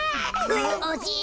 おじい。